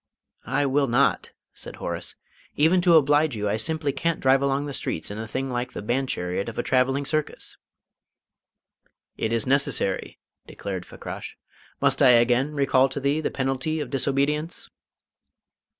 "I will not," said Horace. "Even to oblige you I simply can't drive along the streets in a thing like the band chariot of a travelling circus." "It is necessary," declared Fakrash. "Must I again recall to thee the penalty of disobedience?"